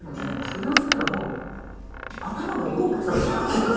フランスではもう頭がどうかしてしまった人。